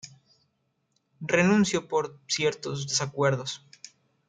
Renunció por ciertos desacuerdos.